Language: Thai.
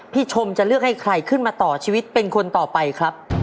ชมจะเลือกให้ใครขึ้นมาต่อชีวิตเป็นคนต่อไปครับ